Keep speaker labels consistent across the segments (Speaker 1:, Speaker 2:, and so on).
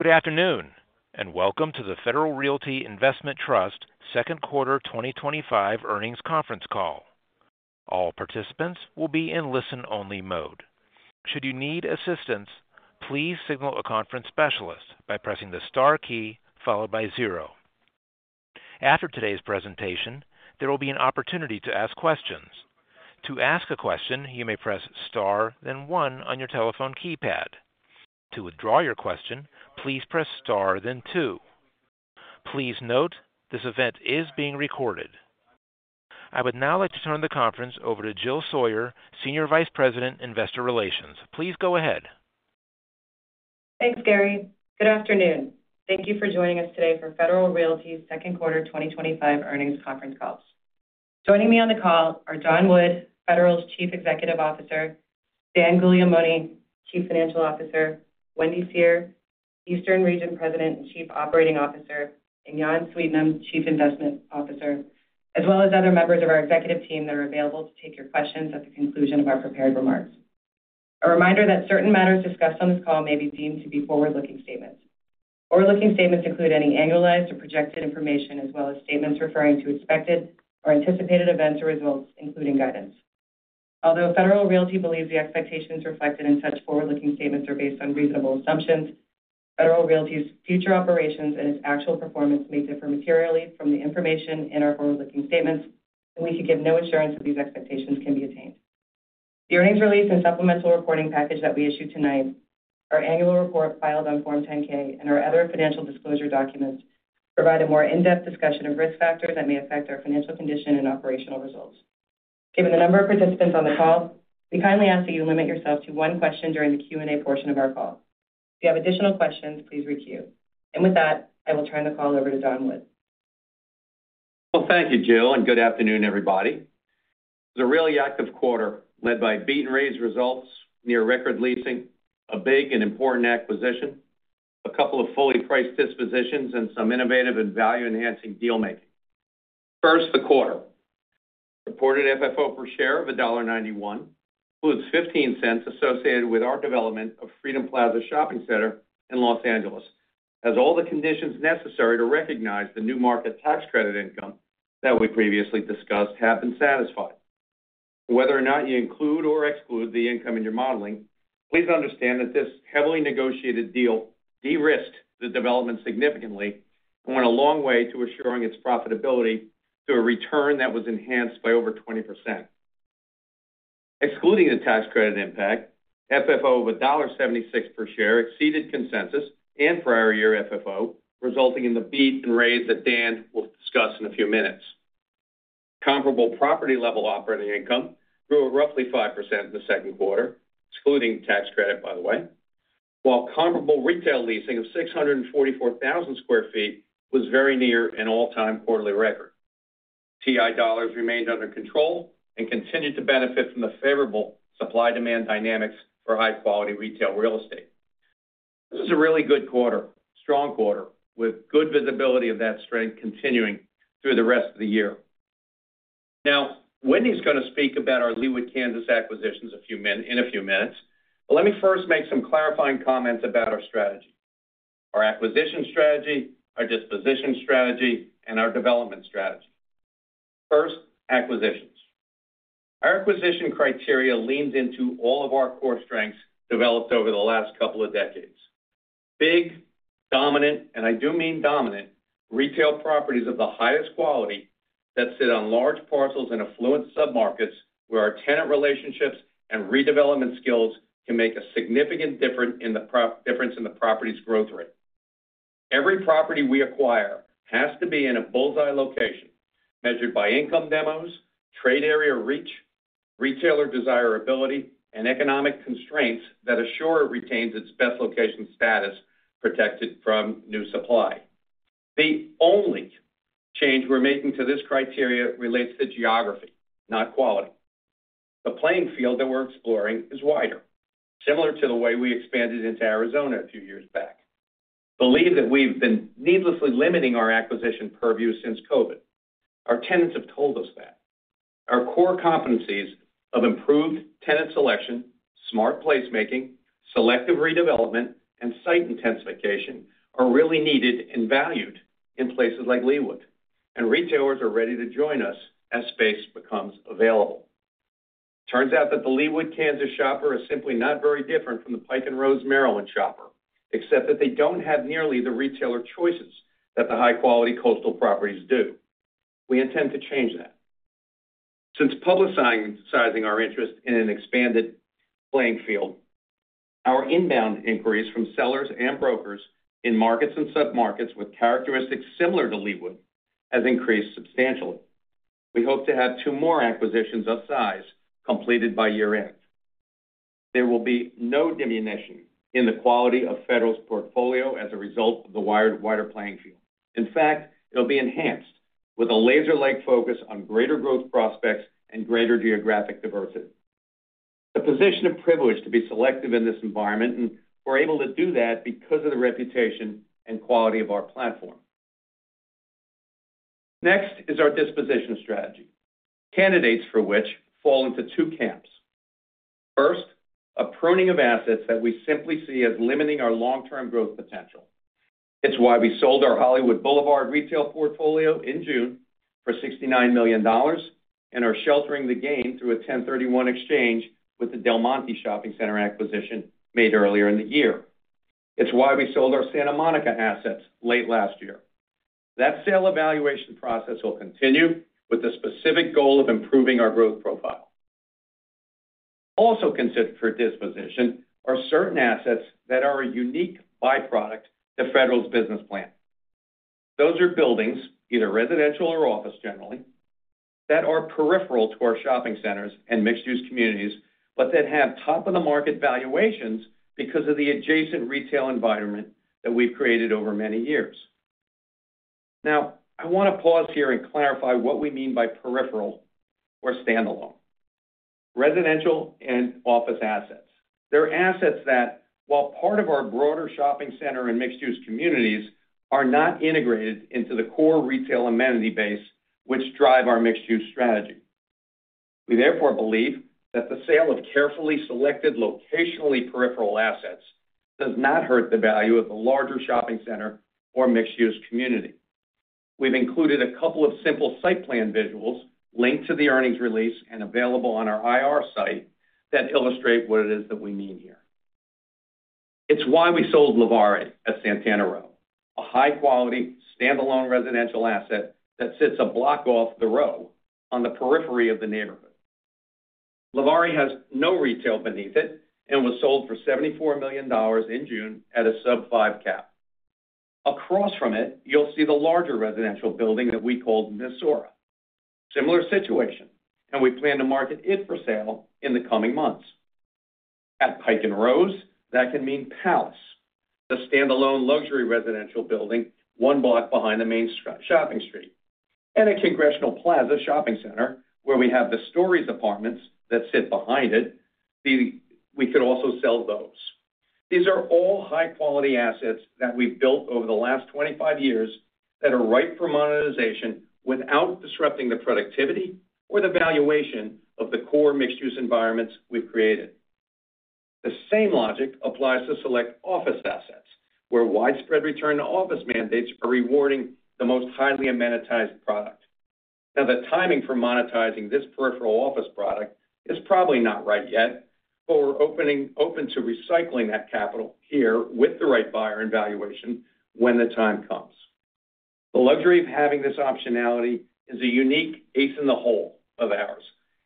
Speaker 1: Good afternoon and welcome to the Federal Realty Investment Trust second quarter 2025 earnings conference call. All participants will be in listen-only mode. Should you need assistance, please signal a conference specialist by pressing the star key followed by zero. After today's presentation, there will be an opportunity to ask questions. To ask a question, you may press star then one on your telephone keypad. To withdraw your question, please press star then two. Please note this event is being recorded. I would now like to turn the conference over to Jill Sawyer, Senior Vice President, Investor Relations. Please go ahead.
Speaker 2: Thanks, Gary. Good afternoon. Thank you for joining us today for Federal Realty second quarter 2025 earnings conference call. Joining me on the call are Don Wood, Federal Realty Investment Trust's Chief Executive Officer, Dan Guglielmone, Chief Financial Officer, Wendy Seher, Eastern Region President and Chief Operating Officer, and Jan Sweetnam, Chief Investment Officer, as well as other members of our executive team that are available to take your questions at the conclusion of our prepared remarks. A reminder that certain matters discussed on this call may be deemed to be forward-looking statements. Forward-looking statements include any annualized or projected information, as well as statements referring to expected or anticipated events or results, including guidance. Although Federal Realty believes the expectations reflected in such forward-looking statements are based on reasonable assumptions, Federal Realty's future operations and its actual performance may differ materially from the information in our forward-looking statements, and we can give no assurance that these expectations can be attained. The earnings release and supplemental reporting package that we issue tonight, our annual report filed on Form 10-K, and our other financial disclosure documents provide a more in-depth discussion of risk factors that may affect our financial condition and operational results. Given the number of participants on the call, we kindly ask that you limit yourself to one question during the Q&A portion of our call. If you have additional questions, please review. With that, I will turn the call over to Don Wood.
Speaker 3: Thank you, Jill, and good afternoon, everybody. It was a really active quarter, led by beat-and-raise results, near record leasing, a big and important acquisition, a couple of fully priced dispositions, and some innovative and value-enhancing dealmaking. First, the quarter: reported FFO per share of $1.91, +$0.15 associated with our development of Freedom Plaza Shopping Center in Los Angeles, as all the conditions necessary to recognize the New Markets Tax Credit income that we previously discussed have been satisfied. Whether you include or exclude the income in your modeling, please understand that this heavily negotiated deal de-risked the development significantly and went a long way to assuring its profitability to a return that was enhanced by over 20%. Excluding the tax credit impact, FFO of $1.76 per share exceeded consensus and prior year FFO, resulting in the beat and raise that Dan will discuss in a few minutes. Comparable property level operating income grew roughly 5% in the second quarter, excluding tax credit, by the way, while comparable retail leasing of 644,000 sq ft was very near an all-time quarterly record. TI dollars remained under control and continued to benefit from the favorable supply-demand dynamics for high-quality retail real estate. This is a really good quarter, strong quarter, with good visibility of that strength continuing through the rest of the year. Wendy is going to speak about our Leawood, Kansas acquisitions in a few minutes. Let me first make some clarifying comments about our strategy, our acquisition strategy, our disposition strategy, and our development strategy. First, acquisitions. Our acquisition criteria leans into all of our core strengths developed over the last couple of decades: big, dominant, and I do mean dominant, retail properties of the highest quality that sit on large parcels and affluent submarkets where our tenant relationships and redevelopment skills can make a significant difference in the property's growth rate. Every property we acquire has to be in a Bull's-Eye Location, measured by income demos, trade area reach, retailer desirability, and economic constraints that assure it retains its best location status, protected from new supply. The only change we're making to this criteria relates to geography, not quality. The playing field that we're exploring is wider, similar to the way we expanded into Arizona a few years back. Believe that we've been needlessly limiting our acquisition purview since COVID. Our tenants have told us that. Our core competencies of improved tenant selection, smart Placemaking, selective redevelopment, and Site Intensification are really needed and valued in places like Leawood, and retailers are ready to join us as space becomes available. Turns out that the Leawood, Kansas shopper is simply not very different from the Pike and Rose, Maryland shopper, except that they don't have nearly the retailer choices that the high-quality coastal properties do. We intend to change that. Since publicizing our interest in an expanded playing field, our inbound inquiries from sellers and brokers in markets and submarkets with characteristics similar to Leawood have increased substantially. We hope to have two more acquisitions of size completed by year-end. There will be no diminution in the quality of Federal's portfolio as a result of the wider playing field. In fact, it'll be enhanced with a laser-like focus on greater growth prospects and greater geographic diversity. The position of privilege to be selective in this environment, and we're able to do that because of the reputation and quality of our platform. Next is our disposition strategy, candidates for which fall into two camps. First, a pruning of assets that we simply see as limiting our long-term growth potential. It's why we sold our Hollywood Boulevard retail portfolio in June for $69 million and are sheltering the gain through a 1031 Exchange with the Del Monte Shopping Center acquisition made earlier in the year. It's why we sold our Santa Monica assets late last year. That sale evaluation process will continue with the specific goal of improving our growth profile. Also considered for disposition are certain assets that are a unique byproduct of Federal's business plan. Those are buildings, either residential or office generally, that are peripheral to our shopping centers and mixed-use communities, but that have top-of-the-market valuations because of the adjacent retail environment that we've created over many years. Now, I want to pause here and clarify what we mean by peripheral or standalone. Residential and office assets, they're assets that, while part of our broader shopping center and mixed-use communities, are not integrated into the core retail amenity base, which drive our mixed-use strategy. We therefore believe that the sale of carefully selected, locationally peripheral assets does not hurt the value of the larger shopping center or mixed-use community. We've included a couple of simple site plan visuals linked to the earnings release and available on our IR site that illustrate what it is that we mean here. It's why we sold LeVare at Santana Row, a high-quality, standalone residential asset that sits a block off the Row on the periphery of the neighborhood. LeVare has no retail beneath it and was sold for $74 million in June at a sub-5% cap. Across from it, you'll see the larger residential building that we called Nisora. Similar situation, and we plan to market it for sale in the coming months. At Pike & Rose, that can mean Palace, the standalone luxury residential building, one block behind the main shopping street, and at Congressional Plaza Shopping Center where we have the Stories apartments that sit behind it. We could also sell those. These are all high-quality assets that we've built over the last 25 years that are ripe for monetization without disrupting the productivity or the valuation of the core mixed-use environments we've created. The same logic applies to select office assets where widespread return to office mandates are rewarding the most highly amenitized product. Now, the timing for monetizing this peripheral office product is probably not right yet, but we're open to recycling that capital here with the right buyer and valuation when the time comes. The luxury of having this optionality is a unique ace in the hole of ours,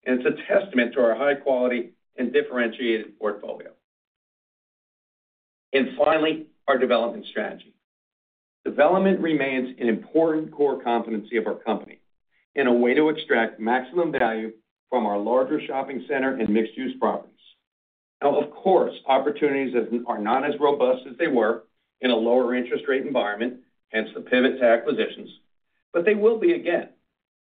Speaker 3: and it's a testament to our high-quality and differentiated portfolio. Finally, our development strategy. Development remains an important core competency of our company and a way to extract maximum value from our larger shopping center and mixed-use properties. Of course, opportunities are not as robust as they were in a lower interest rate environment, hence the pivot to acquisitions, but they will be again.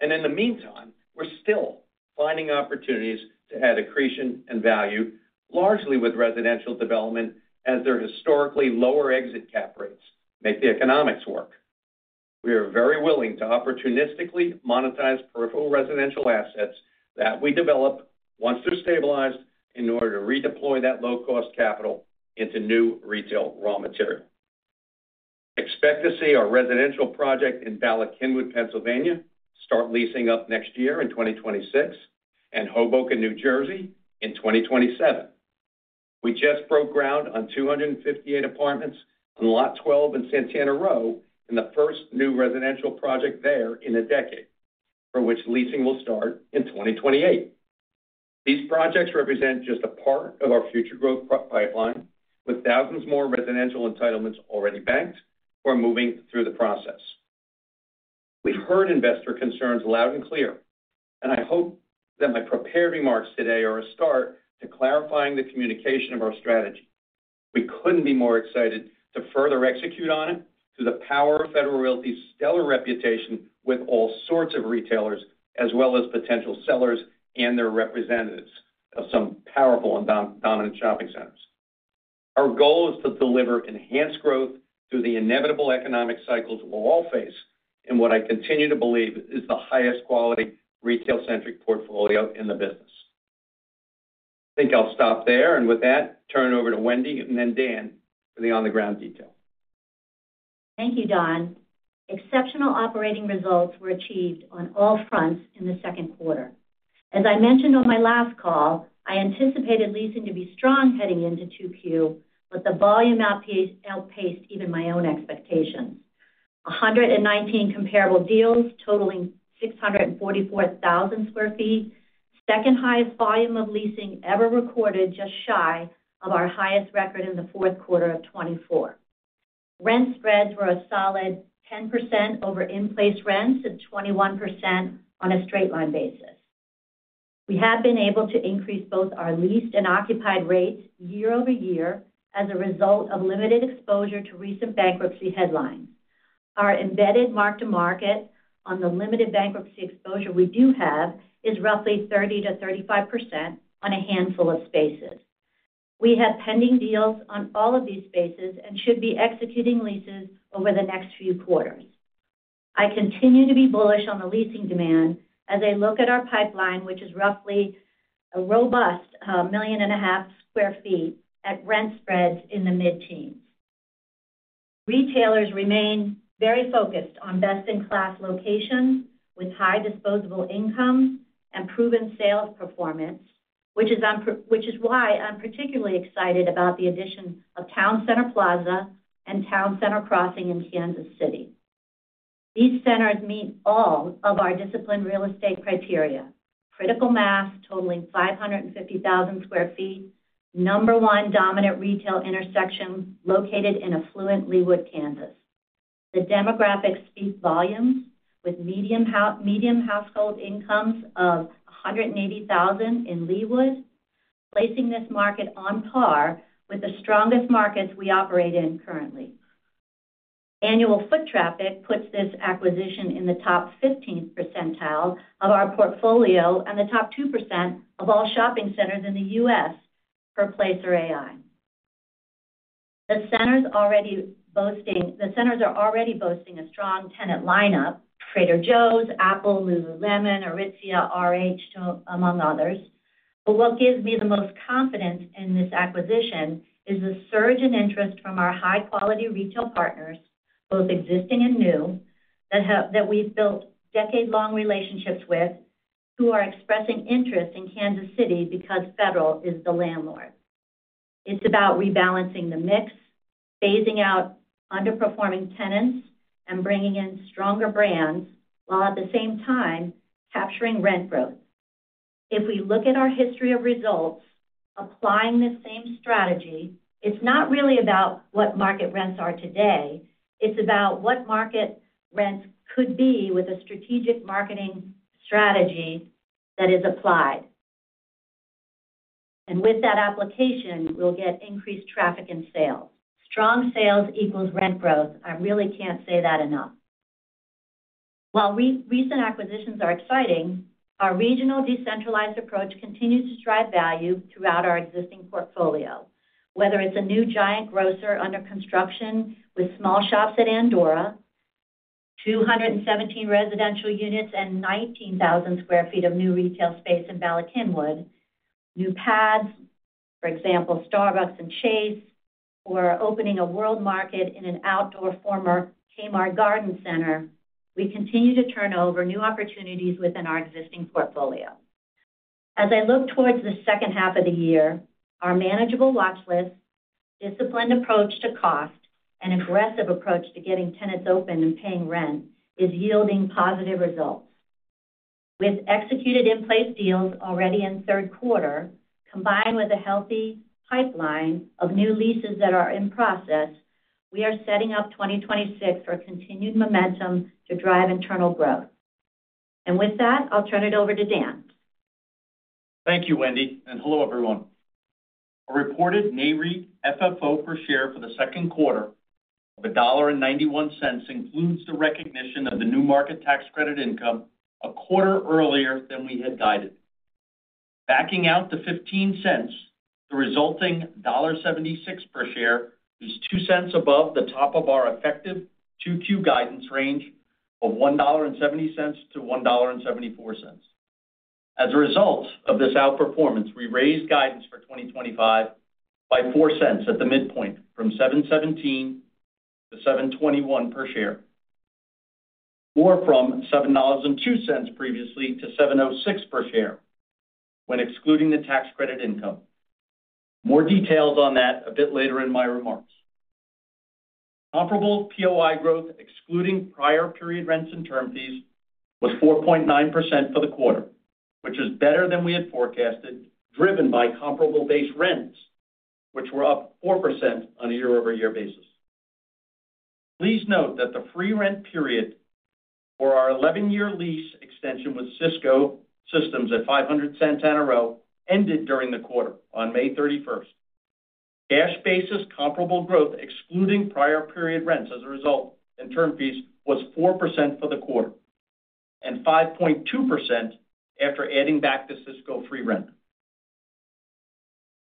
Speaker 3: In the meantime, we're still finding opportunities to add accretion and value, largely with residential development as their historically lower exit cap rates make the economics work. We are very willing to opportunistically monetize peripheral residential assets that we develop once they're stabilized in order to redeploy that low-cost capital into new retail raw material. Expect to see our residential project in Ballard-Kinwood, Pennsylvania, start leasing up next year in 2026, and Hoboken, New Jersey, in 2027. We just broke ground on 258 apartments on Lot 12 in Santana Row in the first new residential project there in a decade, for which leasing will start in 2028. These projects represent just a part of our future growth pipeline, with thousands more residential entitlements already banked or moving through the process. We've heard investor concerns loud and clear, and I hope that my prepared remarks today are a start to clarifying the communication of our strategy. We couldn't be more excited to further execute on it through the power of Federal Realty's stellar reputation with all sorts of retailers, as well as potential sellers and their representatives of some powerful and dominant shopping centers. Our goal is to deliver enhanced growth through the inevitable economic cycles we'll all face in what I continue to believe is the highest quality, retail-centric portfolio in the business. I think I'll stop there, and with that, turn it over to Wendy and then Dan for the on-the-ground detail.
Speaker 4: Thank you, Don. Exceptional operating results were achieved on all fronts in the second quarter. As I mentioned on my last call, I anticipated leasing to be strong heading into Q2, but the volume outpaced even my own expectation. 119 comparable deals totaling 644,000 sq ft, second highest volume of leasing ever recorded, just shy of our highest record in the fourth quarter of 2024. Rent spreads were a solid 10% over in-place rents and 21% on a straight-line basis. We have been able to increase both our leased and occupied rates year-over-year as a result of limited exposure to recent bankruptcy headlines. Our embedded mark-to-market on the limited bankruptcy exposure we do have is roughly 30%-35% on a handful of spaces. We have pending deals on all of these spaces and should be executing leases over the next few quarters. I continue to be bullish on the leasing demand as I look at our pipeline, which is roughly a robust 1.5 million sq ft at rent spreads in the mid-teens. Retailers remain very focused on best-in-class locations with high disposable incomes and proven sales performance, which is why I'm particularly excited about the addition of Town Center Plaza and Town Center Crossing in Kansas City. These centers meet all of our disciplined real estate criteria: critical mass totaling 550,000 sq ft, number one dominant retail intersection located in affluent Leawood, Kansas. The demographics speak volumes, with median household incomes of $180,000 in Leawood, placing this market on par with the strongest markets we operate in currently. Annual foot traffic puts this acquisition in the top 15th percentile of our portfolio and the top 2% of all shopping centers in the U.S. per placer.ai. The centers are already boasting a strong tenant lineup: Trader Joe's, Apple, Lululemon, Aritzia, RH, among others. What gives me the most confidence in this acquisition is the surge in interest from our high-quality retail partners, both existing and new, that we've built decade-long relationships with, who are expressing interest in Kansas City because Federal is the landlord. It's about rebalancing the mix, phasing out underperforming tenants, and bringing in stronger brands, while at the same time capturing rent growth. If we look at our history of results applying the same strategy, it's not really about what market rents are today. It's about what market rents could be with a strategic marketing strategy that is applied. With that application, we'll get increased traffic and sales. Strong sales equals rent growth. I really can't say that enough. While recent acquisitions are exciting, our regional decentralized approach continues to drive value throughout our existing portfolio. Whether it's a new Giant grocer under construction with small shops at Ardmore, 217 residential units, and 19,000 sq ft of new retail space in Ballard-Kingwood, new pads, for example, Starbucks and Chase, or opening a World Market in an outdoor former Kmart Garden Center, we continue to turn over new opportunities within our existing portfolio. As I look towards the second half of the year, our manageable watchlist, disciplined approach to cost, and aggressive approach to getting tenants open and paying rent is yielding positive results. With executed in-place deals already in third quarter, combined with a healthy pipeline of new leases that are in process, we are setting up 2026 for continued momentum to drive internal growth. With that, I'll turn it over to Dan.
Speaker 5: Thank you, Wendy, and hello, everyone. A reported NAREIT FFO per share for the second quarter of $1.91 includes the recognition of the New Markets Tax Credit income a quarter earlier than we had guided. Backing out the $0.15, the resulting $1.76 per share is $0.02 above the top of our effective Q2 guidance range of $1.70-$1.74. As a result of this outperformance, we raised guidance for 2025 by $0.04 at the midpoint from $7.17-$7.21 per share, or from $7.02 previously to $7.06 per share when excluding the tax credit income. More details on that a bit later in my remarks. Comparable property operating income growth, excluding prior period rents and term fees, was 4.9% for the quarter, which is better than we had forecasted, driven by comparable base rents, which were up 4% on a year-over-year basis. Please note that the free rent period for our 11-year lease extension with Cisco Systems at 500 Santana Row ended during the quarter on May 31st. Cash basis comparable growth, excluding prior period rents as a result and term fees, was 4% for the quarter and 5.2% after adding back the Cisco free rent.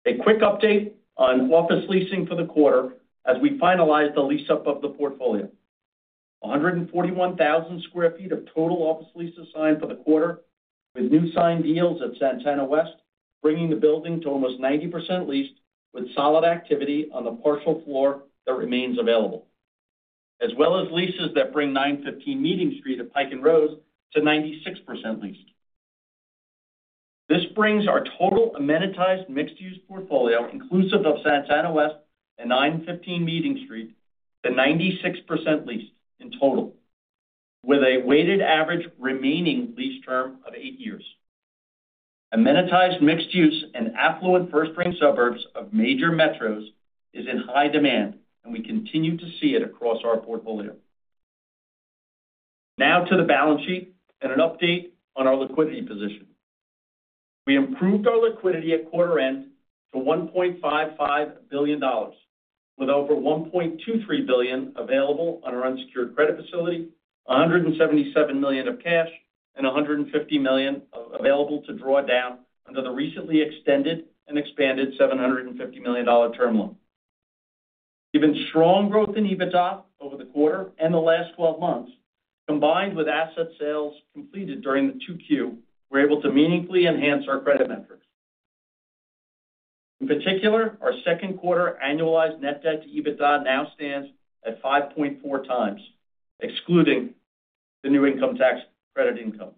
Speaker 5: A quick update on office leasing for the quarter as we finalize the lease-up of the portfolio. 141,000 sq ft of total office leases signed for the quarter, with new signed deals at Santana West bringing the building to almost 90% leased, with solid activity on the partial floor that remains available, as well as leases that bring 915 Meeting Street at Pike & Rose to 96% leased. This brings our total amenitized mixed-use portfolio, inclusive of Santana West and 915 Meeting Street, to 96% leased in total, with a weighted average remaining lease term of eight years. Amenitized mixed-use and affluent first-ring suburbs of major metros is in high demand, and we continue to see it across our portfolio. Now to the balance sheet and an update on our liquidity position. We improved our liquidity at quarter end to $1.55 billion, with over $1.23 billion available on our unsecured credit facility, $177 million of cash, and $150 million available to draw down under the recently extended and expanded $750 million term loan. Given strong growth in EBITDA over the quarter and the last 12 months, combined with asset sales completed during Q2, we are able to meaningfully enhance our credit metrics. In particular, our second quarter annualized net debt to EBITDA now stands at 5.4x, excluding the new income tax credit income,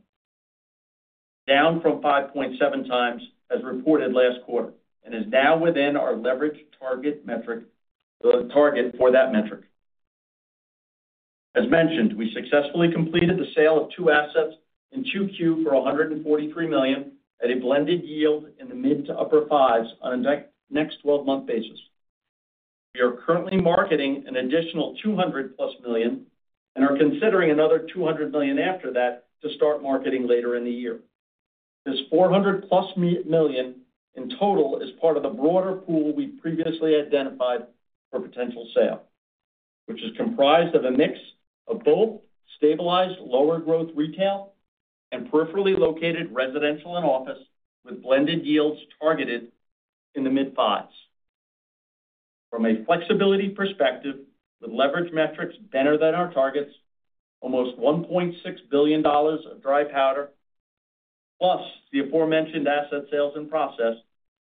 Speaker 5: down from 5.7x as reported last quarter, and is now within our leverage target metric, the target for that metric. As mentioned, we successfully completed the sale of two assets in Q2 for $143 million at a blended yield in the mid to upper 5% on a next 12-month basis. We are currently marketing an additional $200+ million and are considering another $200 million after that to start marketing later in the year. This $400+ million in total is part of the broader pool we've previously identified for potential sale, which is comprised of a mix of both stabilized lower growth retail and peripherally located residential and office with blended yields targeted in the mid-5%. From a flexibility perspective, the leverage metrics are better than our targets, almost $1.6 billion of dry powder, plus the aforementioned asset sales in process.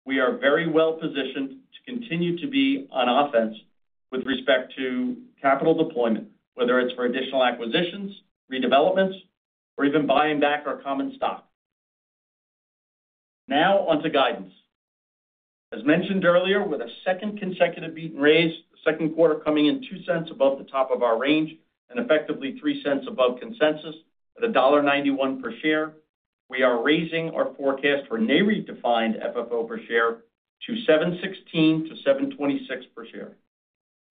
Speaker 5: We are very well positioned to continue to be on offense with respect to capital deployment, whether it's for additional acquisitions, redevelopments, or even buying back our common stock. Now onto guidance. As mentioned earlier, with a second consecutive beat and raise, the second quarter coming in $0.02 above the top of our range and effectively $0.03 above consensus at $1.91 per share, we are raising our forecast for NAREIT-defined FFO per share to $7.16-$7.26 per share.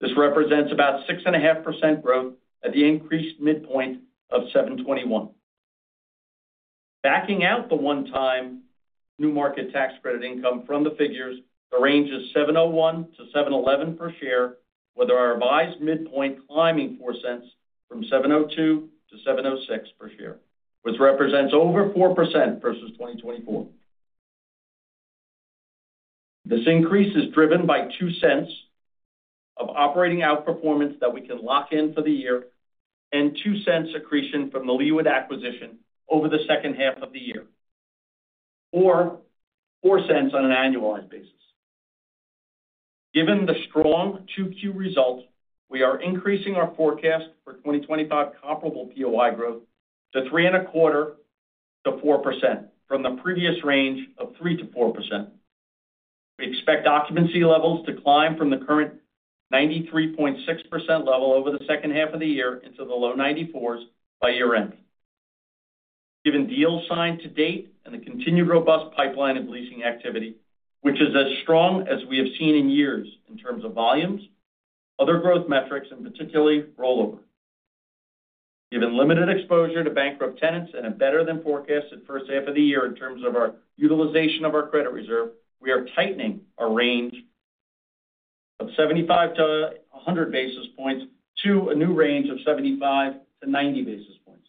Speaker 5: This represents about 6.5% growth at the increased midpoint of $7.21. Backing out the 1x New Markets Tax Credit income from the figures, it ranges $7.01-$7.11 per share, with our revised midpoint climbing $0.04 from $7.02-$7.06 per share, which represents over 4% versus 2024. This increase is driven by $0.02 of operating outperformance that we can lock in for the year and $0.02 accretion from the Leawood acquisition over the second half of the year, or $0.04 on an annualized basis. Given the strong Q2 result, we are increasing our forecast for 2025 comparable property operating income growth to 3.25% to 4% from the previous range of 3%-4%. We expect occupancy levels to climb from the current 93.6% level over the second half of the year into the low 94% by year-end. Given deals signed to date and the continued robust pipeline of leasing activity, which is as strong as we have seen in years in terms of volumes, other growth metrics, and particularly rollover. Given limited exposure to bankrupt tenants and a better than forecasted first half of the year in terms of our utilization of our credit reserve, we are tightening our range of 75-100 basis points to a new range of 75-90 basis points.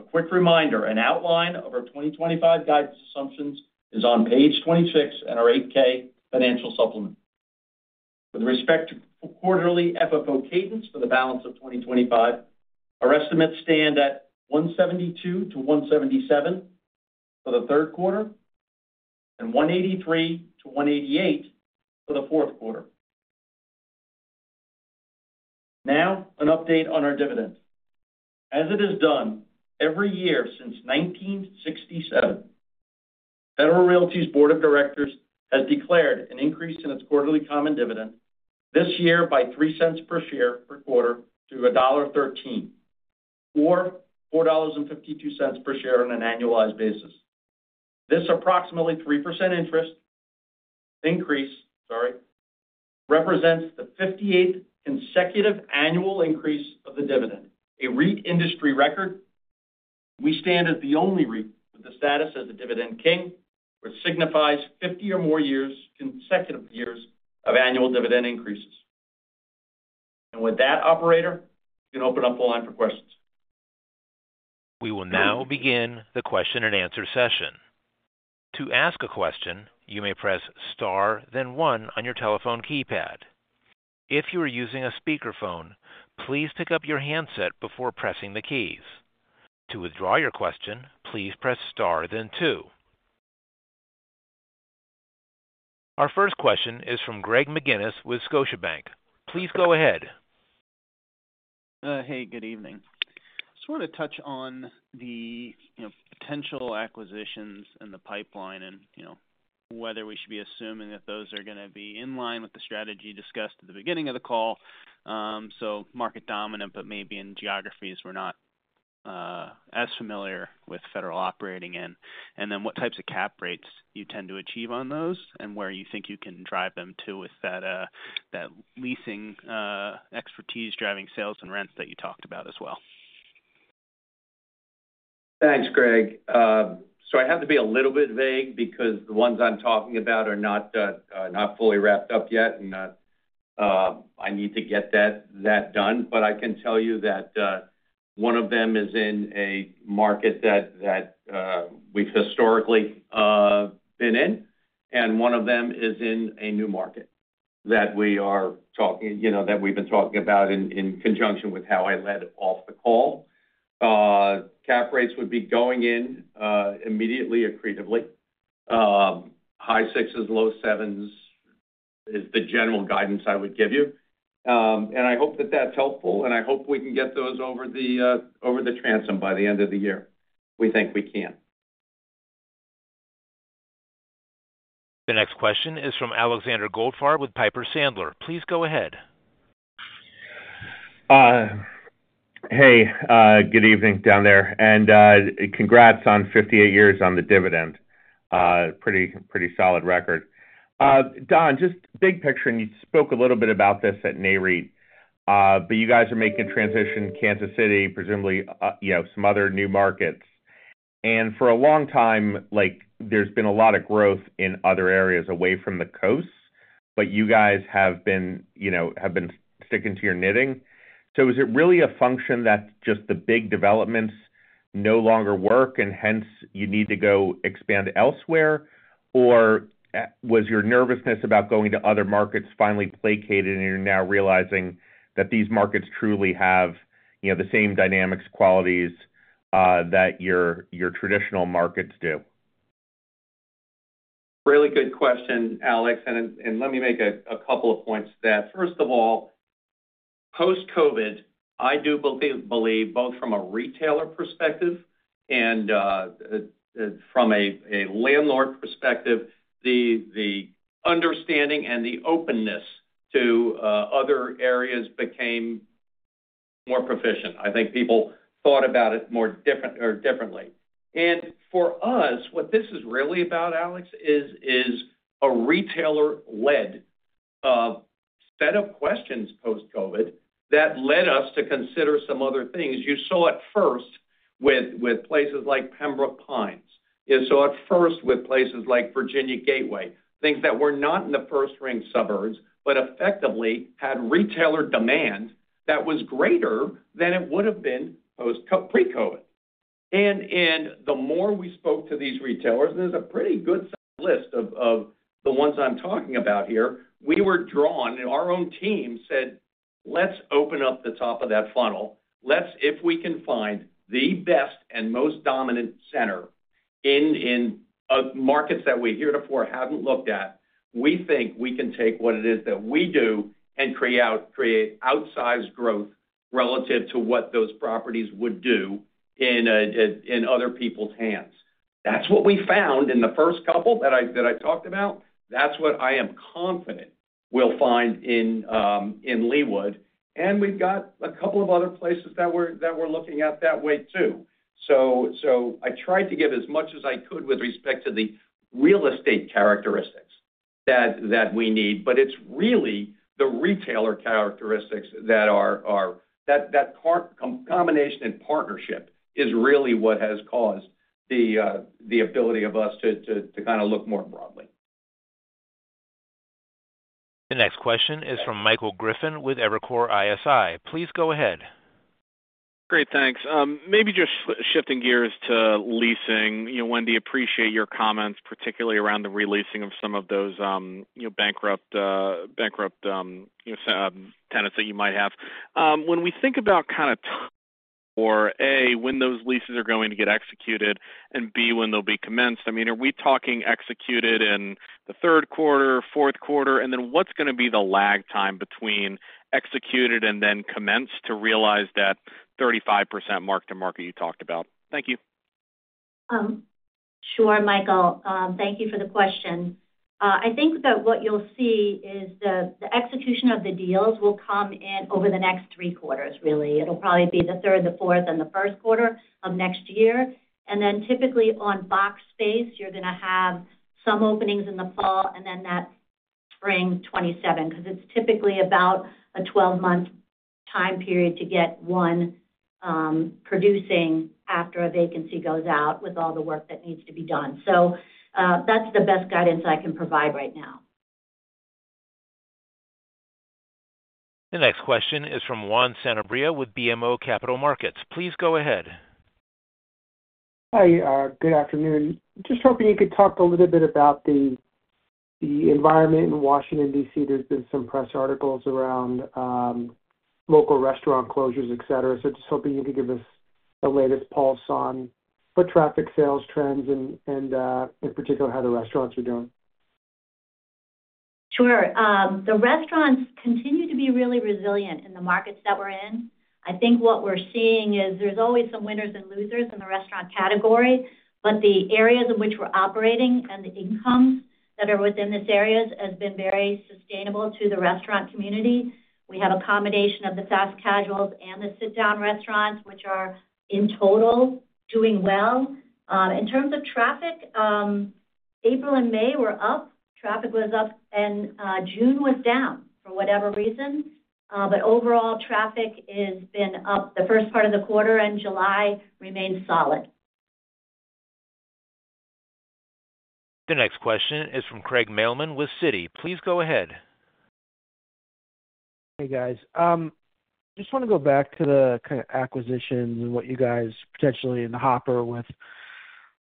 Speaker 5: A quick reminder, an outline of our 2025 guidance assumptions is on page 26 in our 8K financial supplement. With respect to quarterly FFO cadence for the balance of 2025, our estimates stand at $1.72-$1.77 for the third quarter and $1.83-$1.88 for the fourth quarter. Now, an update on our dividend. As it has done every year since 1967, Federal Realty's Board of Directors has declared an increase in its quarterly common dividend this year by $0.03 per share per quarter to $1.13 or $4.52 per share on an annualized basis. This approximately 3% increase represents the 58th consecutive annual increase of the dividend, a REIT industry record. We stand as the only REIT with the status of Dividend King, which signifies 50 or more consecutive years of annual dividend increases. With that, operator, you can open up the line for questions.
Speaker 1: We will now begin the question and answer session. To ask a question, you may press star then one on your telephone keypad. If you are using a speakerphone, please pick up your handset before pressing the keys. To withdraw your question, please press star then two. Our first question is from Greg McGinniss with Scotiabank. Please go ahead.
Speaker 6: Hey, good evening. I just want to touch on the potential acquisitions in the pipeline and whether we should be assuming that those are going to be in line with the strategy discussed at the beginning of the call. Market dominant, but maybe in geographies we're not as familiar with Federal operating in. What types of cap rates you tend to achieve on those and where you think you can drive them to with that leasing expertise driving sales and rents that you talked about as well.
Speaker 5: Thanks, Greg. I have to be a little bit vague because the ones I'm talking about are not fully wrapped up yet, and I need to get that done. I can tell you that one of them is in a market that we've historically been in, and one of them is in a new market that we are talking about in conjunction with how I led off the call. Cap rates would be going in immediately accretively. High 6%s, low 7%s is the general guidance I would give you. I hope that that's helpful, and I hope we can get those over the transom by the end of the year. We think we can.
Speaker 1: The next question is from Alexander Goldfarb with Piper Sandler. Please go ahead.
Speaker 7: Hey, good evening down there. And congrats on 58 years on the dividend. Pretty solid record. Don, just big picture, and you spoke a little bit about this at NAREIT, but you guys are making a transition to Kansas City, presumably, you know, some other new markets. For a long time, like there's been a lot of growth in other areas away from the coasts, but you guys have been, you know, have been sticking to your knitting. Is it really a function that just the big developments no longer work and hence you need to go expand elsewhere? Was your nervousness about going to other markets finally placated and you're now realizing that these markets truly have, you know, the same dynamics, qualities, that your traditional markets do?
Speaker 3: Really good question, Alex. Let me make a couple of points. First of all, post-COVID, I do believe, both from a retailer perspective and from a landlord perspective, the understanding and the openness to other areas became more proficient. I think people thought about it more differently. For us, what this is really about, Alex, is a retailer-led set of questions post-COVID that led us to consider some other things. You saw it first with places like Pembroke Pines. You saw it first with places like Virginia Gateway, things that were not in the first-ring suburbs, but effectively had retailer demand that was greater than it would have been pre-COVID. The more we spoke to these retailers, and there's a pretty good list of the ones I'm talking about here, we were drawn, and our own team said, let's open up the top of that funnel. If we can find the best and most dominant center in markets that we heretofore haven't looked at, we think we can take what it is that we do and create outsized growth relative to what those properties would do in other people's hands. That's what we found in the first couple that I talked about. That's what I am confident we'll find in Leawood. We've got a couple of other places that we're looking at that way too. I tried to give as much as I could with respect to the real estate characteristics that we need, but it's really the retailer characteristics that are that combination and partnership is really what has caused the ability of us to kind of look more broadly.
Speaker 1: The next question is from Michael Griffin with Evercore ISI. Please go ahead.
Speaker 8: Great, thanks. Maybe just shifting gears to leasing. Wendy, I appreciate your comments, particularly around the releasing of some of those bankrupt tenants that you might have. When we think about kind of timeline, or A, when those leases are going to get executed, and B, when they'll be commenced, are we talking executed in the third quarter, fourth quarter, and then what's going to be the lag time between executed and then commenced to realize that 35% mark-to-market you talked about? Thank you.
Speaker 4: Sure, Michael. Thank you for the question. I think that what you'll see is the execution of the deals will come in over the next three quarters, really. It will probably be the third, the fourth, and the first quarter of next year. Typically on box space, you're going to have some openings in the fall and then that spring 2027, because it's typically about a 12-month time period to get one producing after a vacancy goes out with all the work that needs to be done. That's the best guidance I can provide right now.
Speaker 1: The next question is from Juan Sanabria with BMO Capital Markets. Please go ahead.
Speaker 9: Hi. Good afternoon. Just hoping you could talk a little bit about the environment in Washington, D.C. There's been some press articles around local restaurant closures, etc. Just hoping you could give us the latest pulse on foot traffic, sales trends, and in particular how the restaurants are doing.
Speaker 4: Sure. The restaurants continue to be really resilient in the markets that we're in. I think what we're seeing is there's always some winners and losers in the restaurant category, but the areas in which we're operating and the incomes that are within these areas have been very sustainable to the restaurant community. We have a combination of the fast casuals and the sit-down restaurants, which are in total doing well. In terms of traffic, April and May were up. Traffic was up, and June was down for whatever reason. Overall, traffic has been up the first part of the quarter, and July remains solid.
Speaker 1: The next question is from Craig Mailman with Citi. Please go ahead.
Speaker 10: Hey, guys. I just want to go back to the kind of acquisitions and what you guys potentially have in the hopper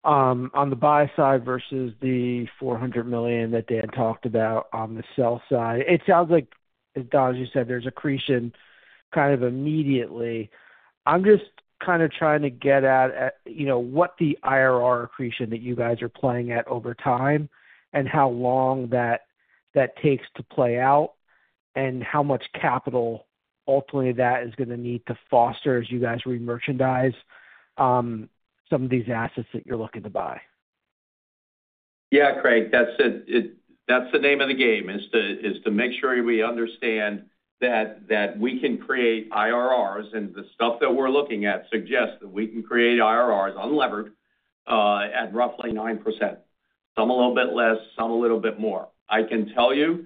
Speaker 10: on the buy side versus the $400 million that Dan talked about on the sell side. It sounds like, as Don, you said, there's accretion kind of immediately. I'm just trying to get at, you know, what the IRR accretion that you guys are playing at over time is and how long that takes to play out and how much capital ultimately that is going to need to foster as you guys remerchandise some of these assets that you're looking to buy.
Speaker 3: Yeah, Craig, that's the name of the game, to make sure we understand that we can create IRRs, and the stuff that we're looking at suggests that we can create IRRs unlevered at roughly 9%. Some a little bit less, some a little bit more. I can tell you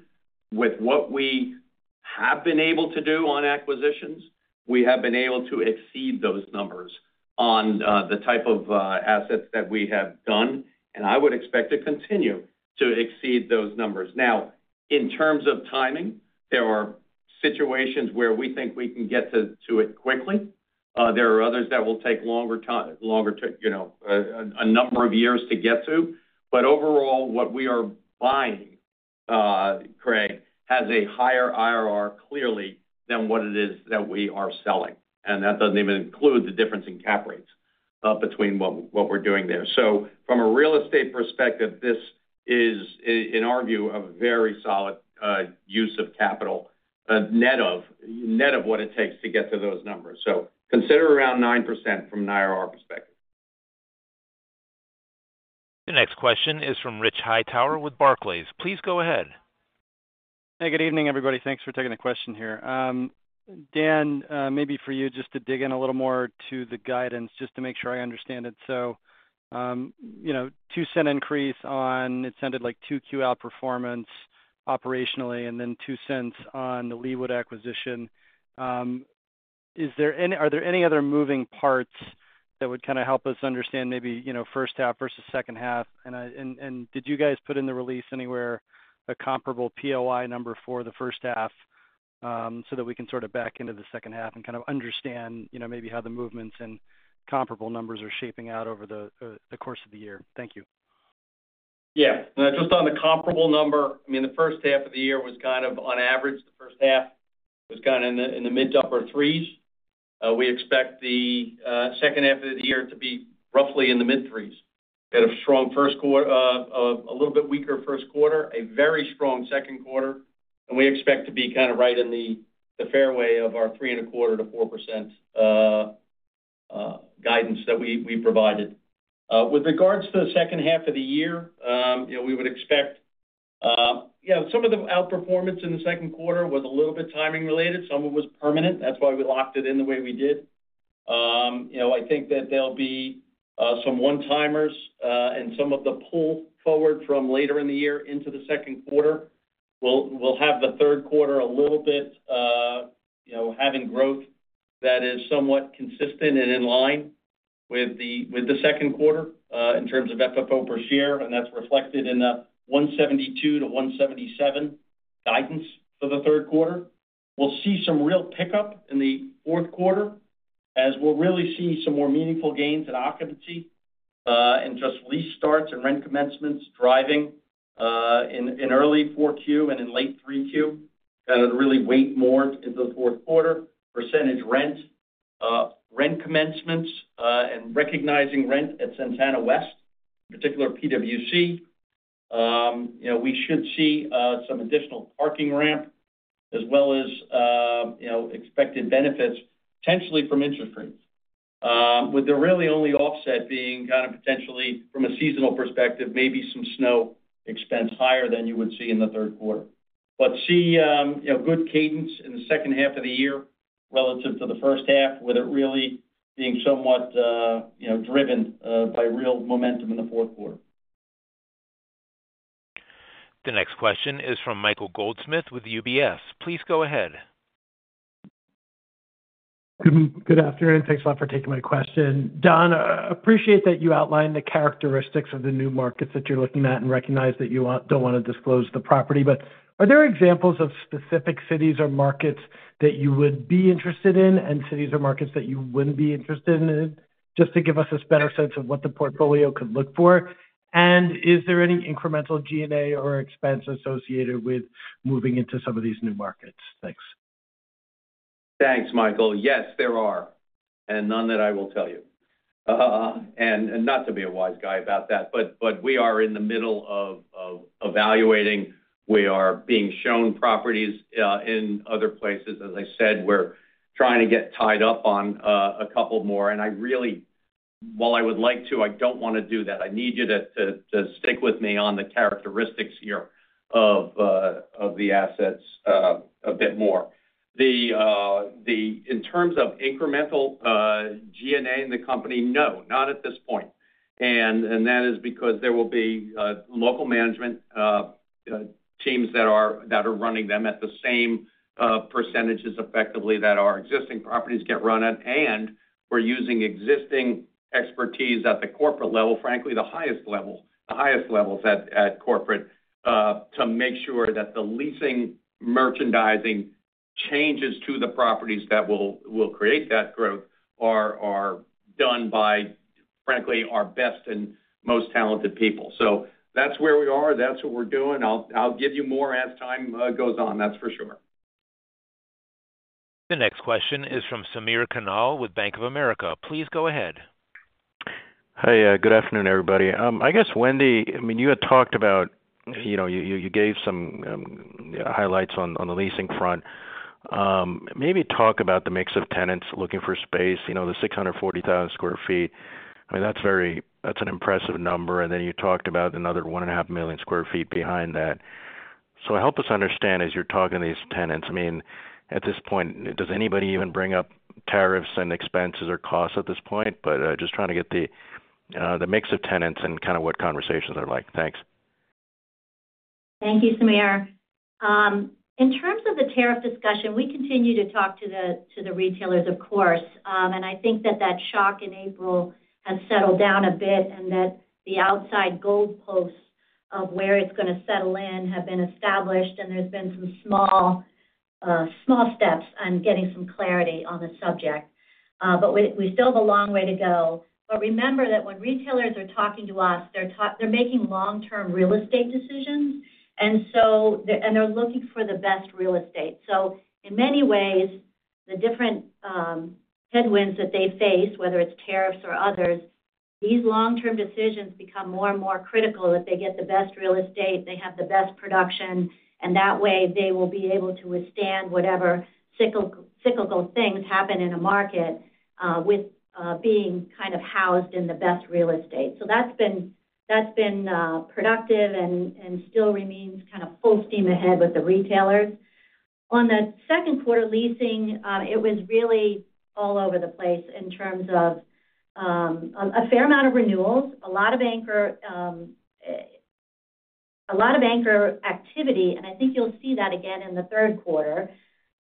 Speaker 3: with what we have been able to do on acquisitions, we have been able to exceed those numbers on the type of assets that we have done, and I would expect to continue to exceed those numbers. Now, in terms of timing, there are situations where we think we can get to it quickly. There are others that will take longer, you know, a number of years to get to. Overall, what we are buying, Craig, has a higher IRR clearly than what it is that we are selling. That doesn't even include the difference in cap rates between what we're doing there. From a real estate perspective, this is inarguably a very solid use of capital, net of what it takes to get to those numbers. Consider around 9% from an IRR perspective.
Speaker 1: The next question is from Rich Hightower with Barclays. Please go ahead.
Speaker 11: Hey, good evening, everybody. Thanks for taking the question here. Dan, maybe for you just to dig in a little more to the guidance just to make sure I understand it. A $0.02 increase on, it sounded like 2Q outperformance operationally, and then $0.02 on the Leawood acquisition. Are there any other moving parts that would kind of help us understand maybe, you know, first half versus second half? Did you guys put in the release anywhere a comparable POI number for the first half so that we can sort of back into the second half and kind of understand, you know, maybe how the movements and comparable numbers are shaping out over the course of the year? Thank you.
Speaker 5: Yeah. Just on the comparable number, I mean, the first half of the year was kind of on average, the first half was kind of in the mid to upper 3%s. We expect the second half of the year to be roughly in the mid 3%s. We had a strong first quarter, a little bit weaker first quarter, a very strong second quarter, and we expect to be kind of right in the fairway of our 3.25%-4% guidance that we provided. With regards to the second half of the year, we would expect some of the outperformance in the second quarter was a little bit timing related. Some of it was permanent. That's why we locked it in the way we did. I think that there'll be some one-timers and some of the pull forward from later in the year into the second quarter. We'll have the third quarter a little bit having growth that is somewhat consistent and in line with the second quarter in terms of FFO per share, and that's reflected in the $1.72-$1.77 guidance for the third quarter. We'll see some real pickup in the fourth quarter as we'll really see some more meaningful gains in occupancy and just restarts and rent commencements driving in early 4Q and in late 3Q that would really weight more to the fourth quarter percentage rent, rent commencements, and recognizing rent at Santana West, in particular PwC. We should see some additional parking ramp as well as expected benefits potentially from interest rates, with the really only offset being kind of potentially from a seasonal perspective, maybe some snow expense higher than you would see in the third quarter. See good cadence in the second half of the year relative to the first half, with it really being somewhat driven by real momentum in the fourth quarter.
Speaker 1: The next question is from Michael Goldsmith with UBS. Please go ahead.
Speaker 12: Good afternoon. Thanks a lot for taking my question. Don, I appreciate that you outlined the characteristics of the new markets that you're looking at and recognize that you don't want to disclose the property, but are there examples of specific cities or markets that you would be interested in and cities or markets that you wouldn't be interested in just to give us a better sense of what the portfolio could look for? Is there any incremental G&A or expense associated with moving into some of these new markets? Thanks.
Speaker 3: Thanks, Michael. Yes, there are, and none that I will tell you. Not to be a wise guy about that, but we are in the middle of evaluating. We are being shown properties in other places. As I said, we're trying to get tied up on a couple more, and I really, while I would like to, I don't want to do that. I need you to stick with me on the characteristics here of the assets a bit more. In terms of incremental G&A in the company, no, not at this point. That is because there will be local management teams that are running them at the same percentages effectively that our existing properties get run at, and we're using existing expertise at the corporate level, frankly, the highest levels at corporate, to make sure that the leasing merchandising changes to the properties that will create that growth are done by, frankly, our best and most talented people. That's where we are. That's what we're doing. I'll give you more as time goes on, that's for sure.
Speaker 1: The next question is from Samir Khanal with Bank of America. Please go ahead.
Speaker 13: Hi, good afternoon, everybody. I guess, Wendy, I mean, you had talked about, you know, you gave some highlights on the leasing front. Maybe talk about the mix of tenants looking for space, you know, the 640,000 sq ft. I mean, that's very, that's an impressive number. You talked about another 1.5 million sq ft behind that. Help us understand as you're talking to these tenants. At this point, does anybody even bring up tariffs and expenses or costs at this point? Just trying to get the mix of tenants and kind of what conversations are like. Thanks.
Speaker 4: Thank you, Samir. In terms of the tariff discussion, we continue to talk to the retailers, of course. I think that that shock in April has settled down a bit and that the outside goalposts of where it's going to settle in have been established, and there's been some small steps on getting some clarity on the subject. We still have a long way to go. Remember that when retailers are talking to ops, they're making long-term real estate decisions, and they're looking for the best real estate. In many ways, the different headwinds that they face, whether it's tariffs or others, these long-term decisions become more and more critical that they get the best real estate, they have the best production, and that way they will be able to withstand whatever cyclical things happen in a market with being kind of housed in the best real estate. That's been productive and still remains kind of pulsing ahead with the retailers. On the second quarter leasing, it was really all over the place in terms of a fair amount of renewals, a lot of anchor activity, and I think you'll see that again in the third quarter.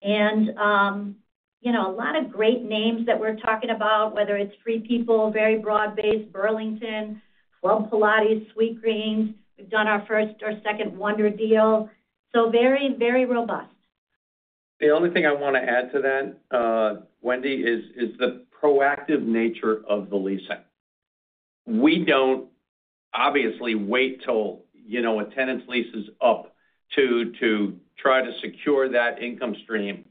Speaker 4: A lot of great names that we're talking about, whether it's Free People, very broad-based Burlington, Club Pilates, Sweetgreen. We've done our first or second Wonder deal. Very, very robust.
Speaker 5: The only thing I want to add to that, Wendy, is the proactive nature of the leasing. We don't obviously wait till, you know, a tenant's lease is up to try to secure that income stream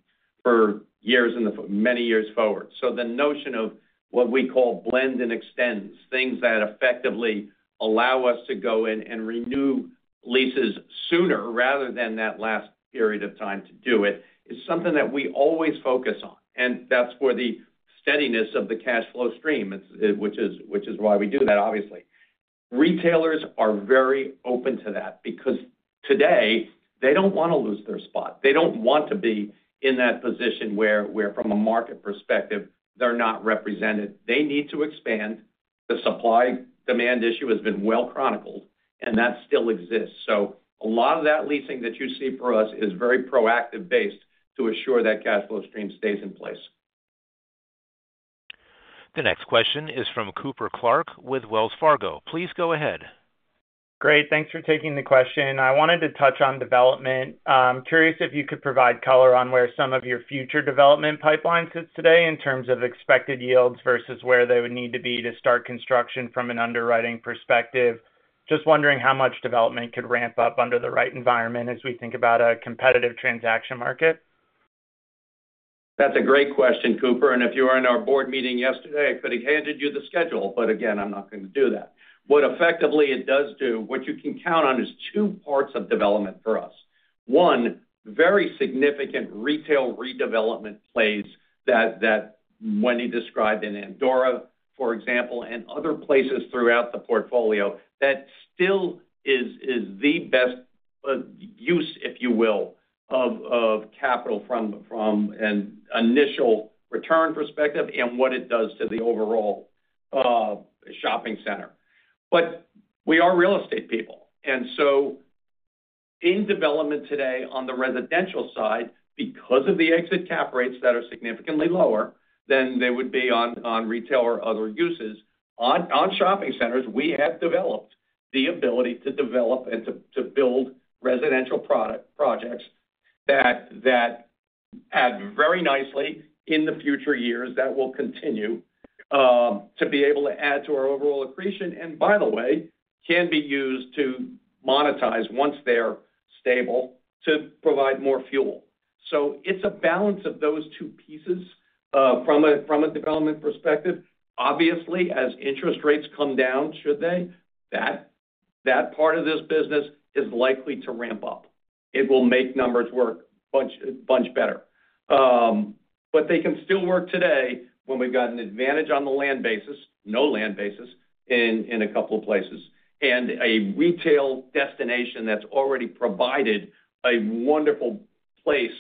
Speaker 5: for years and many years forward. The notion of what we call blend and extends, things that effectively allow us to go in and renew leases sooner rather than that last period of time to do it, is something that we always focus on. That's where the steadiness of the cash flow stream, which is why we do that, obviously. Retailers are very open to that because today they don't want to lose their spot. They don't want to be in that position where, from a market perspective, they're not represented. They need to expand. The supply-demand issue has been well chronicled, and that still exists. A lot of that leasing that you see for us is very proactive-based to assure that cash flow stream stays in place.
Speaker 1: The next question is from Cooper Clark with Wells Fargo. Please go ahead.
Speaker 14: Great. Thanks for taking the question. I wanted to touch on development. I'm curious if you could provide color on where some of your future development pipeline sits today in terms of expected yields versus where they would need to be to start construction from an underwriting perspective. Just wondering how much development could ramp up under the right environment as we think about a competitive transaction market.
Speaker 5: That's a great question, Cooper. If you were in our board meeting yesterday, I could have handed you the schedule, but again, I'm not going to do that. What effectively it does do, what you can count on is two parts of development for us. One, very significant retail redevelopment plays that Wendy described in Ardmore, for example, and other places throughout the portfolio that still is the best use, if you will, of capital from an initial return perspective and what it does to the overall shopping center. We are real estate people. In development today on the residential side, because of the exit cap rates that are significantly lower than they would be on retail or other uses, on shopping centers, we have developed the ability to develop and to build residential projects that add very nicely in the future years that will continue to be able to add to our overall accretion. By the way, can be used to monetize once they're stable to provide more fuel. It's a balance of those two pieces from a development perspective. Obviously, as interest rates come down, should they, that part of this business is likely to ramp up. It will make numbers work a bunch better. They can still work today when we've got an advantage on the land basis, no land basis in a couple of places, and a retail destination that's already provided a wonderful place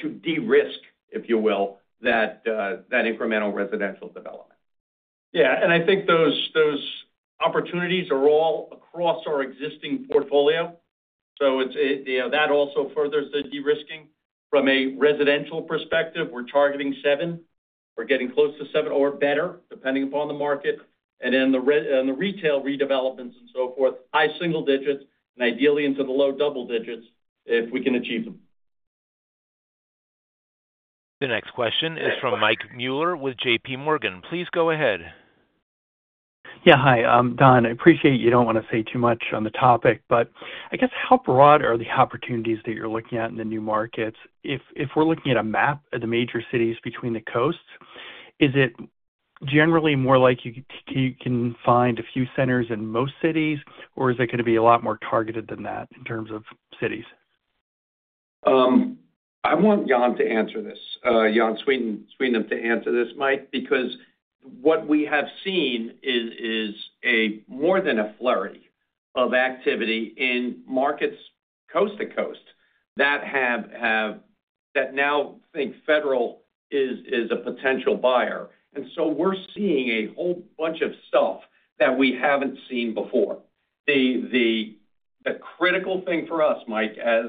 Speaker 5: to de-risk, if you will, that incremental residential development.
Speaker 3: I think those opportunities are all across our existing portfolio. That also furthers the de-risking. From a residential perspective, we're targeting seven. We're getting close to seven or better, depending upon the market. The retail redevelopments and so forth, high single digits and ideally into the low double digits if we can achieve them.
Speaker 1: The next question is from Mike Mueller with JPMorgan. Please go ahead.
Speaker 15: Yeah, hi. Don, I appreciate you don't want to say too much on the topic, but I guess how broad are the opportunities that you're looking at in the new markets? If we're looking at a map of the major cities between the coasts, is it generally more like you can find a few centers in most cities, or is it going to be a lot more targeted than that in terms of cities?
Speaker 3: I want Jan to answer this, Jan Sweetnam to answer this, Mike, because what we have seen is more than a flurry of activity in markets coast to coast that now think Federal is a potential buyer. We are seeing a whole bunch of stuff that we haven't seen before. The critical thing for us, Mike, as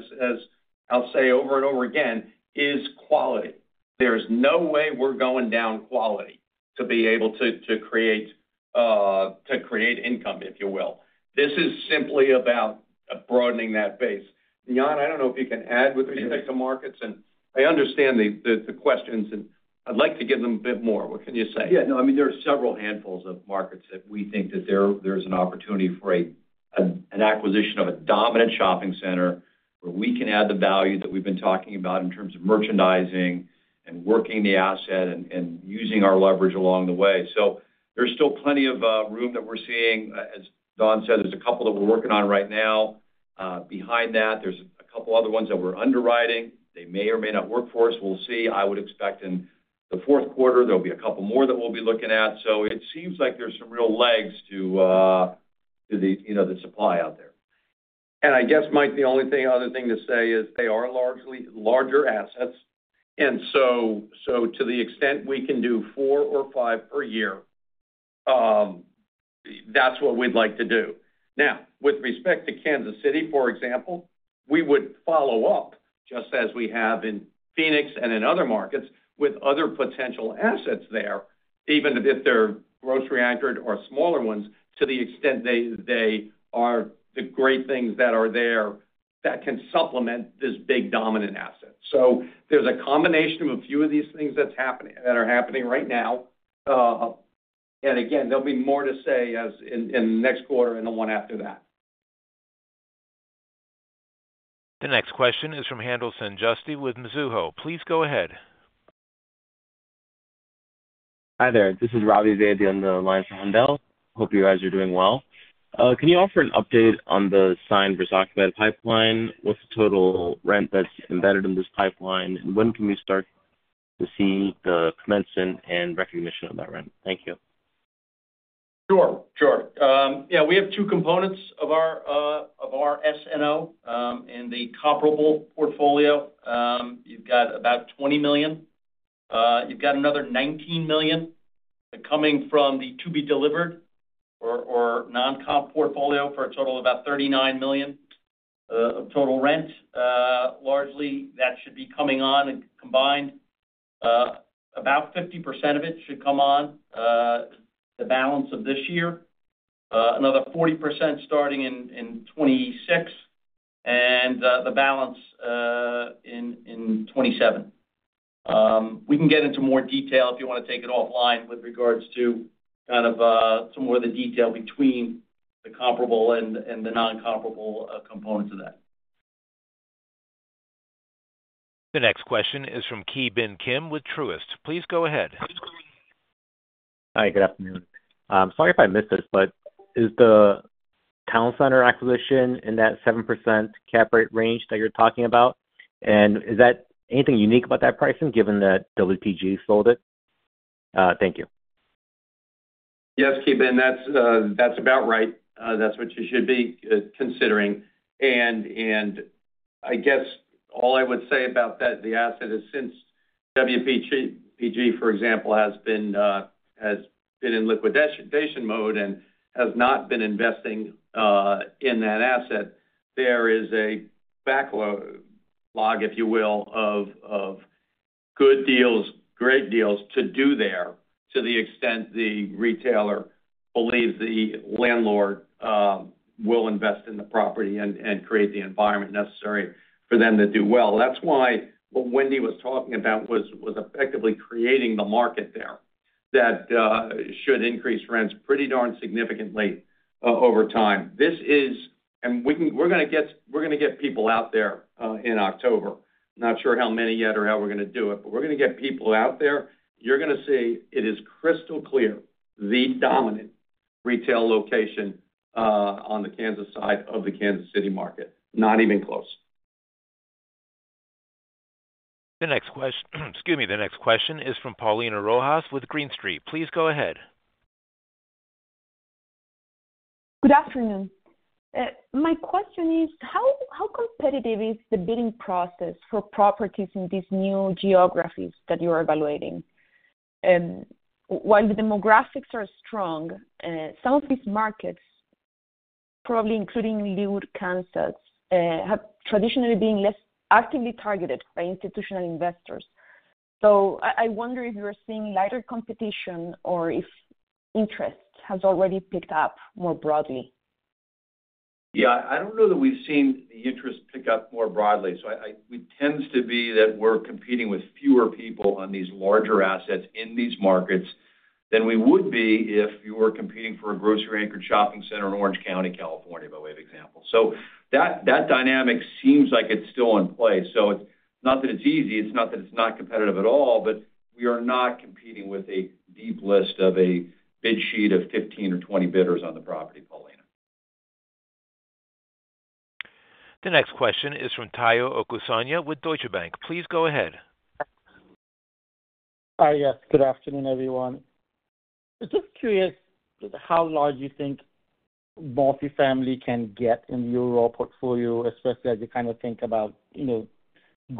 Speaker 3: I'll say over and over again, is quality. There's no way we're going down quality to be able to create income, if you will. This is simply about broadening that base. Jan, I don't know if you can add with respect to markets, and I understand the questions, and I'd like to give them a bit more. What can you say? Yeah.
Speaker 16: No, I mean, there are several handfuls of markets that we think that there's an opportunity for an acquisition of a dominant shopping center where we can add the value that we've been talking about in terms of merchandising and working the asset and using our leverage along the way. There's still plenty of room that we're seeing. As Don said, there's a couple that we're working on right now. Behind that, there's a couple other ones that we're underwriting. They may or may not work for us. We'll see. I would expect in the fourth quarter, there'll be a couple more that we'll be looking at. It seems like there's some real legs to the supply out there.
Speaker 3: I guess, Mike, the only other thing to say is they are largely larger assets. To the extent we can do four or five per year, that's what we'd like to do. Now, with respect to Kansas City, for example, we would follow up just as we have in Phoenix and in other markets with other potential assets there, even if they're gross reactored or smaller ones, to the extent they are the great things that are there that can supplement this big dominant asset. There's a combination of a few of these things that are happening right now. There'll be more to say in the next quarter and the one after that.
Speaker 1: The next question is from Handel Sanjusty with Mizuho. Please go ahead. Hi there. This is Ravi Vaidya on the line from Handel. Hope you guys are doing well. Can you offer an update on the signed resoc med pipeline? What's the total rent that's embedded in this pipeline? When can we start to see the commencement and recognition of that rent? Thank you.
Speaker 5: Sure. Yeah, we have two components of our SNL in the comparable portfolio. You've got about $20 million. You've got another $19 million coming from the to be delivered or non-comp portfolio for a total of about $39 million of total rent. Largely, that should be coming on and combined. About 50% of it should come on the balance of this year, another 40% starting in 2026, and the balance in 2027. We can get into more detail if you want to take it offline with regards to kind of some more of the detail between the comparable and the non-comparable components of that.
Speaker 1: The next question is from Ki Bin Kim with Truist. Please go ahead.
Speaker 17: Hi, good afternoon. I'm sorry if I missed this, but is the Town Center acquisition in that 7% cap rate range that you're talking about? Is that anything unique about that pricing given that WPG sold it? Thank you.
Speaker 3: Yes, Ki Bin, that's about right. That's what you should be considering. I guess all I would say about that, the asset has since WPG, for example, has been in liquidation mode and has not been investing in that asset. There is a backlog, if you will, of good deals, great deals to do there to the extent the retailer believes the landlord will invest in the property and create the environment necessary for them to do well. That is why what Wendy was talking about was effectively creating the market there that should increase rents pretty darn significantly over time. We are going to get people out there in October. Not sure how many yet or how we are going to do it, but we are going to get people out there. You are going to see it is crystal clear the dominant retail location on the Kansas side of the Kansas City market. Not even close.
Speaker 1: The next question is from Paulina Rojas with Green Street. Please go ahead.
Speaker 18: Good afternoon. My question is, how competitive is the bidding process for properties in these new geographies that you are evaluating? While the demographics are strong, some of these markets, probably including Leawood, Kansas, have traditionally been less actively targeted by institutional investors. I wonder if you are seeing lighter competition or if interest has already picked up more broadly.
Speaker 3: Yeah, I don't know that we've seen the interest pick up more broadly. It tends to be that we're competing with fewer people on these larger assets in these markets than we would be if you were competing for a grocery-anchored shopping center in Orange County, California, by way of example. That dynamic seems like it's still in place. It's not that it's easy. It's not that it's not competitive at all, but we are not competing with a deep list or a bid sheet of 15 or 20 bidders on the property, Paulina.
Speaker 1: The next question is from Tayo Okusonya with Deutsche Bank. Please go ahead.
Speaker 19: Hi, yes. Good afternoon, everyone. I'm just curious how large you think multifamily can get in your portfolio, especially as you kind of think about, you know,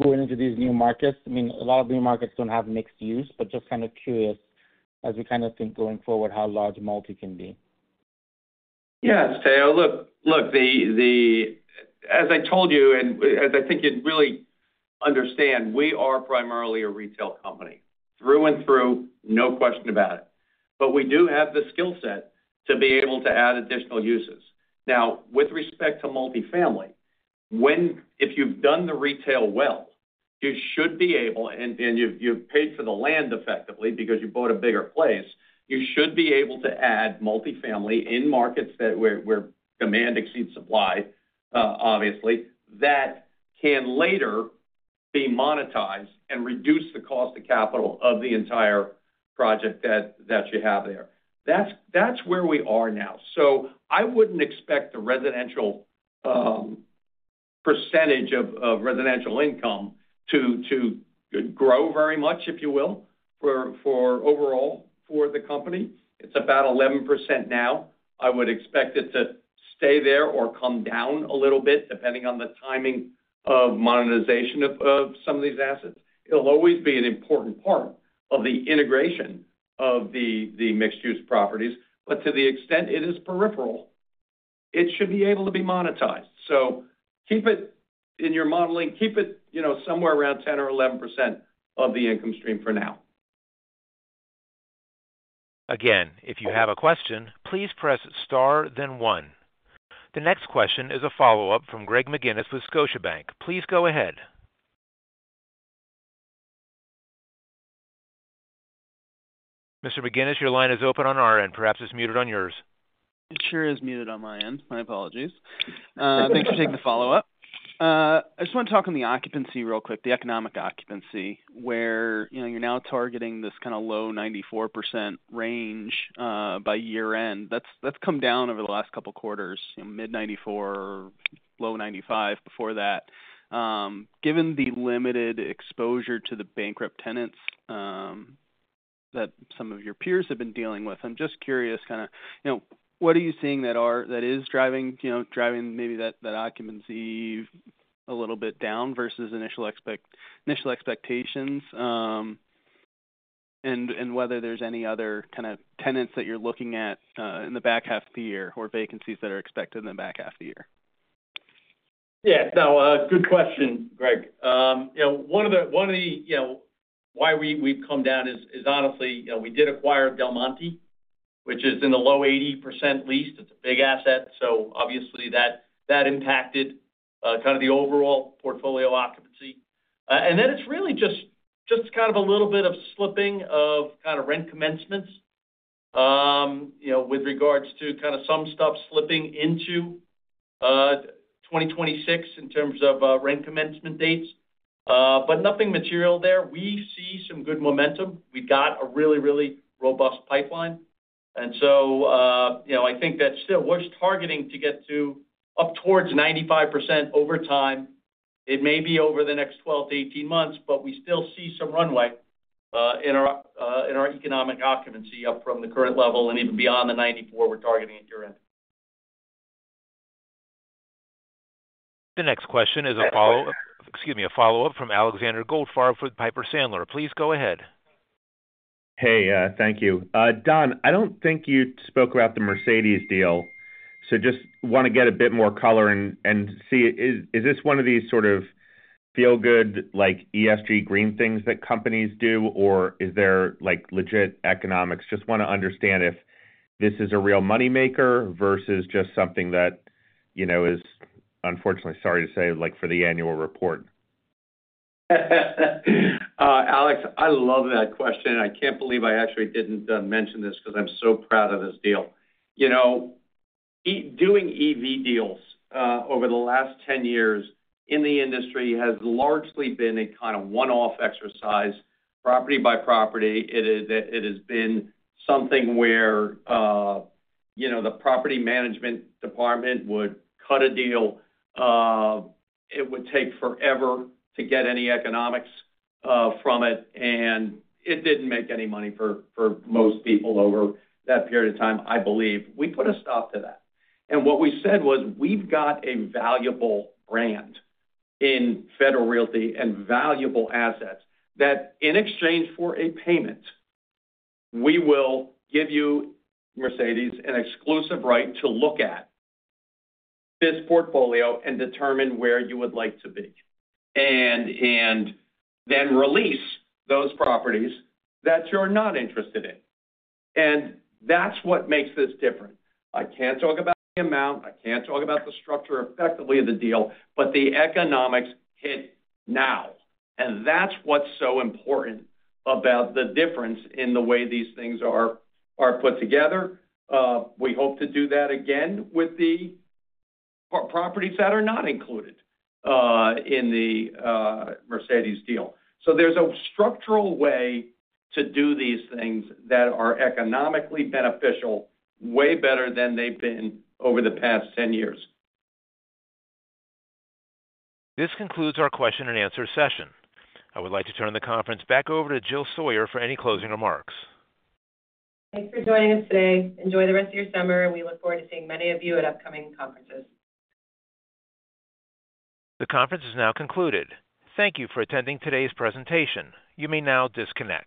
Speaker 19: going into these new markets. I mean, a lot of new markets don't have mixed use, but just kind of curious as we kind of think going forward how large multi can be.
Speaker 3: Yeah, Tayo, as I told you, and as I think you really understand, we are primarily a retail company, through and through, no question about it. We do have the skill set to be able to add additional uses. Now, with respect to multifamily, if you've done the retail well, you should be able, and you've paid for the land effectively because you bought a bigger place, you should be able to add multifamily in markets where demand exceeds supply, obviously, that can later be monetized and reduce the cost of capital of the entire project that you have there. That's where we are now. I wouldn't expect the percentage of residential income to grow very much, if you will, overall for the company. It's about 11% now. I would expect it to stay there or come down a little bit, depending on the timing of monetization of some of these assets. It'll always be an important part of the integration of the mixed-use properties. To the extent it is peripheral, it should be able to be monetized. Keep it in your modeling, keep it somewhere around 10% or 11% of the income stream for now.
Speaker 1: Again, if you have a question, please press star then one. The next question is a follow-up from Greg McGinniss with Scotiabank. Please go ahead. Mr. McGinniss, your line is open on our end. Perhaps it's muted on yours.
Speaker 6: It sure is muted on my end. My apologies. Thanks for taking the follow-up. I just want to talk on the occupancy real quick, the economic occupancy where you're now targeting this kind of low 94% range by year-end. That's come down over the last couple of quarters, mid-94%, low 95% before that. Given the limited exposure to the bankrupt tenants that some of your peers have been dealing with, I'm just curious, what are you seeing that is driving, you know, driving maybe that occupancy a little bit down versus initial expectations? Whether there's any other kind of tenants that you're looking at in the back half of the year or vacancies that are expected in the back half of the year?
Speaker 3: Yeah, good question, Greg. You know, one of the reasons why we come down is honestly, we did acquire Del Monte, which is in the low 80% lease. It's a big asset. Obviously, that impacted the overall portfolio occupancy. It's really just a little bit of slipping of rent commencements with regards to some stuff slipping into 2026 in terms of rent commencement dates, but nothing material there. We see some good momentum. We've got a really, really robust pipeline. I think that still we're targeting to get up towards 95% over time. It may be over the next 12-18 months, but we still see some runway in our economic occupancy up from the current level and even beyond the 94% we're targeting at year-end.
Speaker 1: The next question is a follow-up from Alexander Goldfarb for Piper Sandler. Please go ahead.
Speaker 7: Hey, thank you. Don, I don't think you spoke about the Mercedes deal. Just want to get a bit more color and see, is this one of these sort of feel-good, like ESG green things that companies do, or is there like legit economics? Just want to understand if this is a real moneymaker versus just something that, you know, is unfortunately, sorry to say, like for the annual report.
Speaker 3: Alex, I love that question. I can't believe I actually didn't mention this because I'm so proud of this deal. You know, doing EV deals over the last 10 years in the industry has largely been a kind of one-off exercise, property by property. It has been something where the property management department would cut a deal. It would take forever to get any economics from it, and it didn't make any money for most people over that period of time, I believe. We put a stop to that. What we said was we've got a valuable brand in Federal Realty and valuable assets that in exchange for a payment, we will give you, Mercedes, an exclusive right to look at this portfolio and determine where you would like to be, and then release those properties that you're not interested in. That's what makes this different. I can't talk about the amount. I can't talk about the structure effectively of the deal, but the economics hit now. That's what's so important about the difference in the way these things are put together. We hope to do that again with the properties that are not included in the Mercedes deal. There's a structural way to do these things that's economically beneficial, way better than they've been over the past 10 years.
Speaker 1: This concludes our question and answer session. I would like to turn the conference back over to Jill Sawyer for any closing remarks.
Speaker 2: Thanks for joining us today. Enjoy the rest of your summer, and we look forward to seeing many of you at upcoming conferences.
Speaker 1: The conference is now concluded. Thank you for attending today's presentation. You may now disconnect.